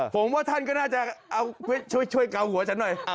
ผมว่าท่านก็น่าจะเอาช่วยเกาหัวฉันหน่อย